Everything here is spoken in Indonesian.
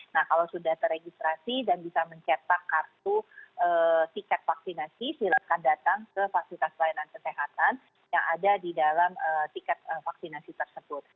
nah kalau sudah teregistrasi dan bisa mencetak kartu tiket vaksinasi silahkan datang ke fasilitas pelayanan kesehatan yang ada di dalam tiket vaksinasi tersebut